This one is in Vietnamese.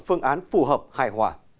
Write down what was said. phương án phù hợp hài hòa